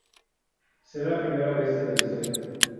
Será la primera bastida de la Historia.